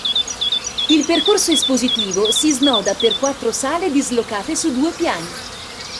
Il percorso espositivo si snoda per quattro sale dislocate su due piani.